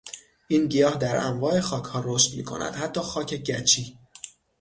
این گیاه در انواع خاکها رشد میکند حتی خاک گچی.